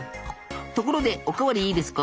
ところでお代わりいいですか？